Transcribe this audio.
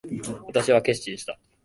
私は決心した。